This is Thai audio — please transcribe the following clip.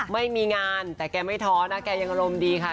ไม่มีงานแต่แกไม่ท้อนะแกยังอารมณ์ดีค่ะ